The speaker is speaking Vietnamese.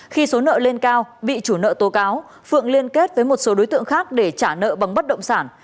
khi số nợ lên cao bị chủ nợ tố cáo phượng liên kết với một số đối tượng khác để trả nợ bằng bất động sản